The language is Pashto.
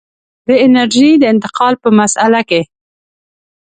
د انرژۍ د انتقال په مسأله کې.